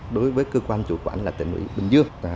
đối với cơ quan chủ quản là tỉnh ủy bình dương